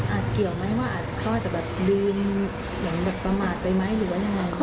อาจเกี่ยวไหมว่าอาจเขาจะลืมประมาทไปไหมหรือว่าอย่างไร